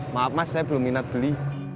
maaf mas saya belum minat beli